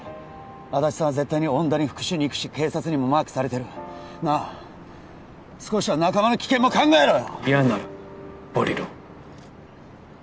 安達さんは絶対に恩田に復讐に行くし警察にもマークされてるなあ少しは仲間の危険も考えろよ！